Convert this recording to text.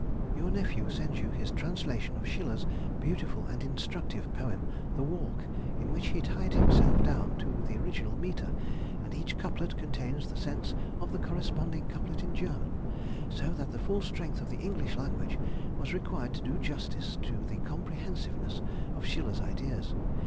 Your nephew sends you his translation of Schiller's beautiful and instructive poem, "The Walk," in which he tied himself down to the original metre, and each couplet contains the sense of the corresponding couplet in German, so that the full strength of the English language was required to do justice to the comprehensiveness of Schiller's ideas.